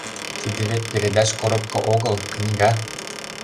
Тиде вет передач коробка огыл, книга.